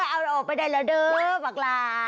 เอาออกไปได้แล้วดึงปั่กคลา